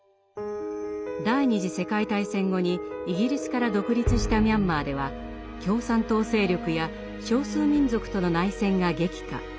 第二次世界大戦後にイギリスから独立したミャンマーでは共産党勢力や少数民族との内戦が激化。